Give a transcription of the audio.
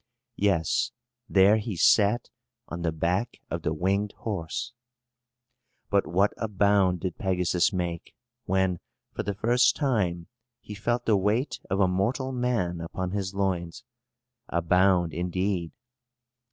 Yes, there he sat, on the back of the winged horse! But what a bound did Pegasus make, when, for the first time, he felt the weight of a mortal man upon his loins! A bound, indeed!